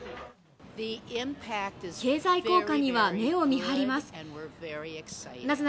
経済効果には目を見張ります。